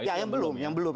ya yang belum yang belum